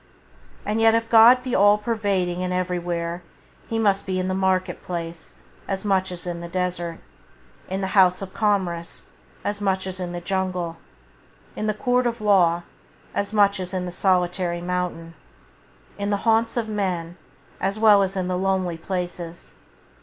And yet if God be all pervading and everywhere, He must be in the market place as much as in the desert, in the house of commerce as much as in the jungle, in the law court as much as in the solitary mountain, in the haunts of men as well as in the lonely places.